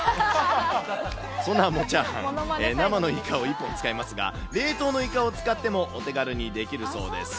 そんなもっチャーハン、生のイカを１本使いますが、冷凍のイカを使ってもお手軽にできるそうです。